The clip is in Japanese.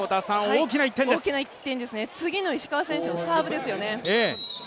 大きな１点ですね、次の石川選手のサーブですよね。